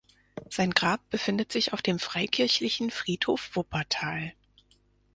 Sein Grab befindet sich auf dem Freikirchlichen Friedhof Wuppertal.